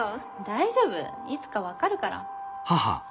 大丈夫いつか分かるから。